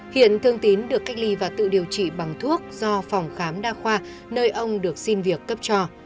hiện thương tín được cách ly và tự điều trị bằng thuốc do phòng khám đa khoa nơi ông được xin việc cấp cho